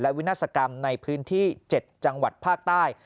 วินาศกรรมในพื้นที่๗จังหวัดภาคใต้